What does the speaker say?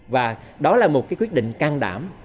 và đó là một cái quyết định can đảm